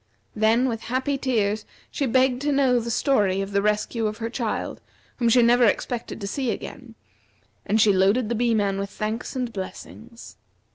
Then with happy tears she begged to know the story of the rescue of her child, whom she never expected to see again; and she loaded the Bee man with thanks and blessings.